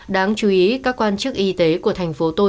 đáng chú ý các quan chức y tế của thành phố tổng thống